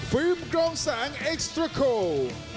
ฟิมกังสังเอ็กซ์เตอร์โคล